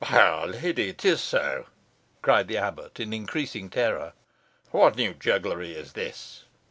"By our Lady, it is so," cried the abbot, in increasing terror. "What new jugglery is this?"